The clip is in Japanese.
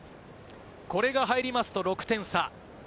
これが入りますと６点差。